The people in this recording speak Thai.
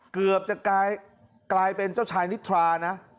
เกือบจะกลายเป็นเจ้าชายนิทรานะ